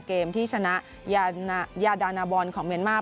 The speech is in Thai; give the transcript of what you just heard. เกมที่ชนะยาดานาบอลของเมียนมาร์